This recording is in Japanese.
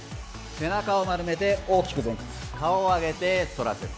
背中を丸めて大きく前屈顔を上げて反らせる。